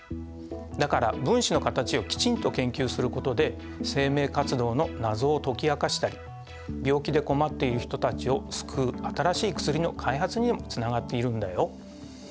だから分子の形をきちんと研究することで生命活動の謎を解き明かしたり病気で困っている人たちを救う新しい薬の開発にもつながっているんだよ。